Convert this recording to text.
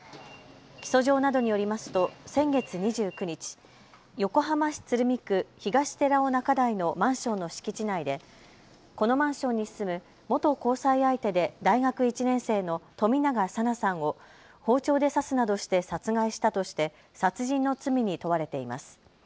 起訴状などによりますと先月２９日、横浜市鶴見区東寺尾中台のマンションの敷地内でこのマンションに住む元交際相手で大学１年生の冨永紗菜さんを包丁で刺すなどして殺害したとして殺人の罪に問われています。